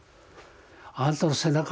あんたの背中